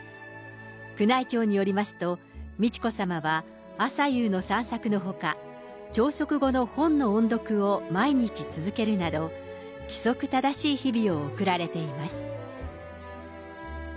宮内庁によりますと、美智子さまは朝夕の散策のほか、朝食後の本の音読を毎日続けるなど、規則正しい日々を送られています。